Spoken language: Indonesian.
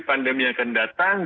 pandemi yang akan datang